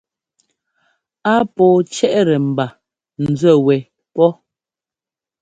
Á pɔ̌ɔ cɛ́ʼtɛ ḿba nzúɛ wɛ pɔ́.